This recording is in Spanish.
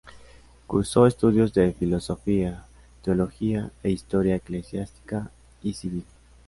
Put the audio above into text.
Cursó estudios de filosofía, teología e historia eclesiástica y civil.